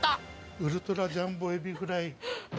ウルトラジャンボエビフライ。